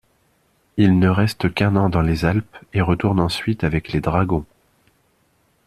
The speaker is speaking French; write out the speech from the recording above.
Il ne reste qu'un an dans les Alpes et retourne ensuite avec les Dragons.